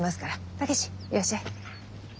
武志いらっしゃい。